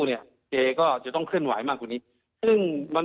เนี่ยและก็จะต้องเข้นหมายมากกว่านี้นึกว่ามันเป็น